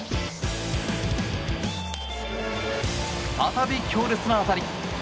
再び強烈な当たり。